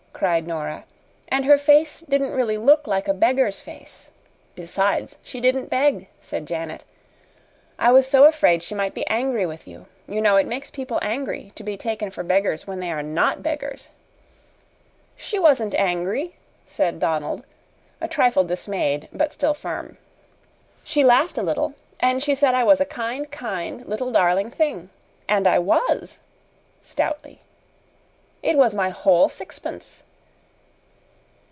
cried Nora. "And her face didn't really look like a beggar's face!" "Besides, she didn't beg," said Janet. "I was so afraid she might be angry with you. You know, it makes people angry to be taken for beggars when they are not beggars." "She wasn't angry," said Donald, a trifle dismayed, but still firm. "She laughed a little, and she said I was a kind, kind little darling thing. And I was!" stoutly. "It was my whole sixpence."